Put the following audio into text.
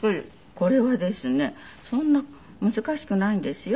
これはですねそんな難しくないんですよ。